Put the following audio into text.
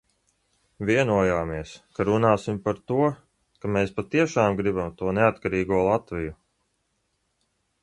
Vienojāmies, ka runāsim par to, ka mēs patiešām gribam to neatkarīgo Latviju.